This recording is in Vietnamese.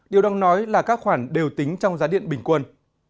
điều đang nói là các khoản đều tính trong giá điện bình quân